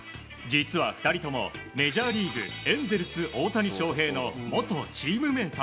実は２人ともメジャーリーグエンゼルス、大谷翔平の元チームメート。